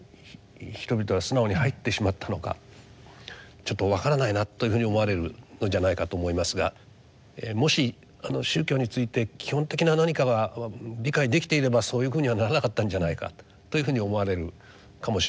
ちょっとわからないなというふうに思われるのじゃないかと思いますがもし宗教について基本的な何かが理解できていればそういうふうにはならなかったんじゃないかというふうに思われるかもしれません。